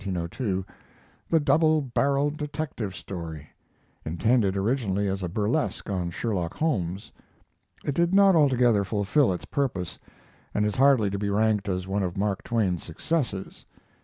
] "The Double Barrelled Detective Story," intended originally as a burlesque on Sherlock Holmes. It did not altogether fulfil its purpose, and is hardly to be ranked as one of Mark Twain's successes.